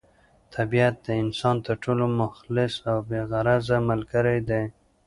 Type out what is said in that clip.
طبیعت د انسان تر ټولو مخلص او بې غرضه ملګری دی.